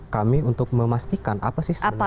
kami untuk memastikan apa sih sebenarnya